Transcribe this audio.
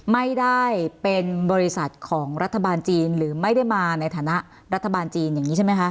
ไม่ได้เป็นบริษัทของรัฐบาลจีนหรือไม่ได้มาในฐานะรัฐบาลจีนอย่างนี้ใช่ไหมคะ